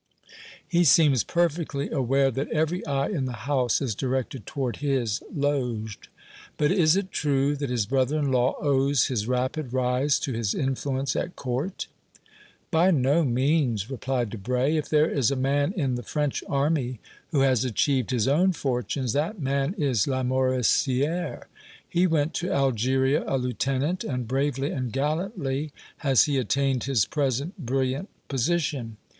"He seems perfectly aware that every eye in the house is directed toward his loge. But is it true that his brother in law owes his rapid rise to his influence at Court?" "By no means," replied Debray. "If there is a man in the French army who has achieved his own fortunes, that man is Lamoricière. He went to Algeria a lieutenant, and bravely and gallantly has he attained his present brilliant position.